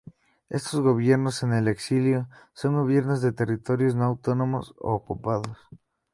Estos gobiernos en el exilio son gobiernos de territorios no autónomos o ocupados.